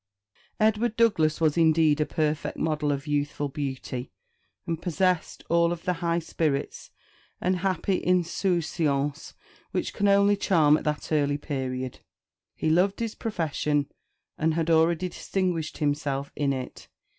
Edward Douglas was indeed a perfect model of youthful beauty, and possessed of all the high spirits and happy insouciance which can only charm at that early period. He loved his profession, and had already distinguished himself in it.